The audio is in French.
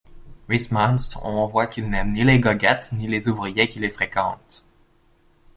Huysmans on voit qu'il n'aime ni les goguettes, ni les ouvriers qui les fréquentent.